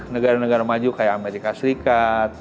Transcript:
negara negara maju kayak amerika serikat